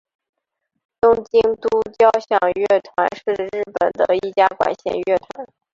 东京都交响乐团是日本的一家管弦乐团。